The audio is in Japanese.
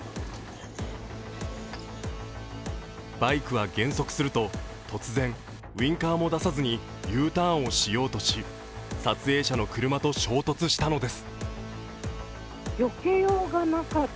バイクは減速すると突然ウインカーも出さずにＵターンをしようとし、撮影者の車と衝突したのです。